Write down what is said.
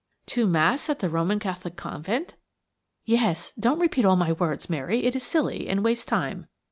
"To Mass at the Roman Catholic convent?" "Yes. Don't repeat all my words, Mary; it is silly, and wastes time.